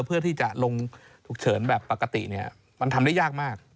เพื่อที่จะลงฉุกเฉินแบบปกติมันทำได้ยากมาก